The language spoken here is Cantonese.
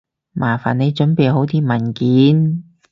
麻煩你準備好啲文件